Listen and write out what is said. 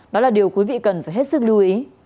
đó là điều quý vị cần phải hết sức lưu ý